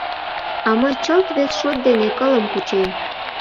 А мый чылт вес шот дене кылым кучем.